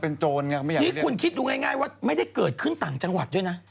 นี่คุณคิดดูง่ายว่าไม่ได้เกิดขึ้นต่างจังหวัดด้วยนะ